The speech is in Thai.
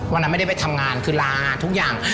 วันนั้นไม่ได้ไปทำงานคือลาทุกอย่าง